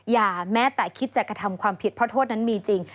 แม้แต่คิดจะกระทำความผิดเพราะโทษนั้นมีจริง